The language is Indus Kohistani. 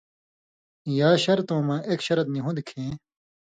یا شرطؤں مہ ایک شرط نی ہون٘د کھیں